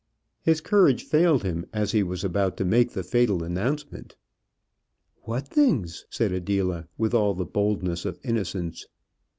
His courage failed him as he was about to make the fatal announcement. "What things?" said Adela, with all the boldness of innocence.